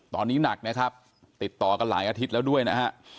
ตอนนี้หนักนะครับติดต่อกันหลายอาทิตย์แล้วด้วยนะฮะ